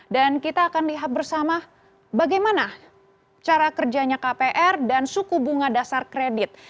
dan kita akan lihat bersama bagaimana cara kerjanya kpr dan suku bunga dasar kredit